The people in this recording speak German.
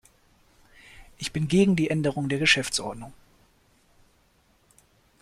Ich bin gegen die Änderung der Geschäftsordnung.